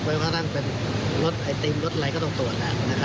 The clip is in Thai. พวกเขานั่งเป็นรถไอติมรถอะไรก็ต้องตรวจ